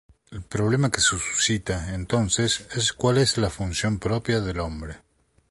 El problema que se suscita, entonces, es cuál es la función propia del hombre.